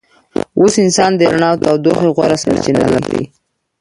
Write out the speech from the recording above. اوس انسانان د رڼا او تودوخې غوره سرچینه لري.